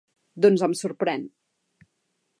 Doncs em sorprèn!